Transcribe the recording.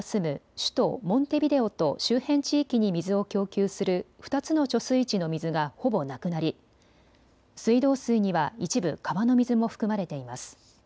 首都モンテビデオと周辺地域に水を供給する２つの貯水池の水がほぼなくなり水道水には一部、川の水も含まれています。